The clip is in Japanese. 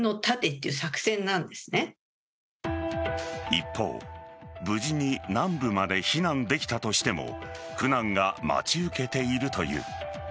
一方、無事に南部まで避難できたとしても苦難が待ち受けているという。